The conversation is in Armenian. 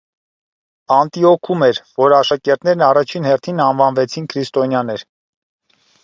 Անտիոքում էր, որ աշակերտներն առաջին հերթին անվանվեցին քրիստոնյաներ։